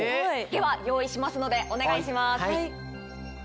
では用意しますのでお願いします。